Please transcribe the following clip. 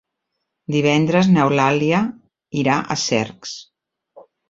Divendres n'Eulàlia irà a Cercs.